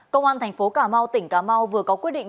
công an thành phố cà mau tỉnh cà mau vừa có quyết định